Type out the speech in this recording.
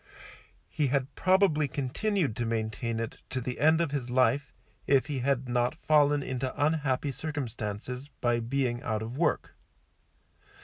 He had probably continued to maintain it to the end of his life if he had not fallen into unhappy circumstances, by being out of work.